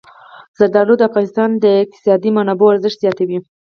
زردالو د افغانستان د اقتصادي منابعو ارزښت زیاتوي.